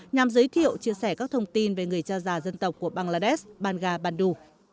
nhằm giới thiệu chia sẻ các thông tin về người cha già dân tộc của bangladesh bangga bandhu